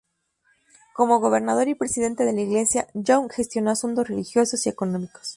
Como gobernador y presidente de la Iglesia, Young gestionó asuntos religiosos y económicos.